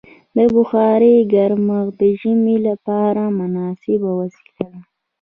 د بخارۍ ګرمښت د ژمي لپاره مناسبه وسیله ده.